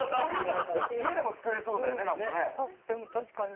家でも作れそうだよね、確かに。